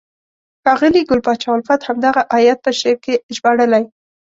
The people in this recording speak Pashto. ښاغلي ګل پاچا الفت همدغه آیت په شعر کې ژباړلی: